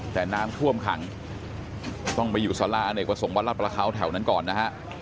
แต่น้ำท่วมขังต้องไปอยู่สาราอเนกประสงค์วัดรัฐประเขาแถวนั้นก่อนนะฮะ